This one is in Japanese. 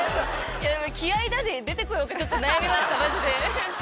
「気合だ！」で出てこようかちょっと悩みましたマジで。